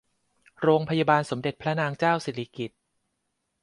โรงพยาบาลสมเด็จพระนางเจ้าสิริกิติ์